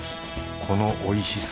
このおいしさ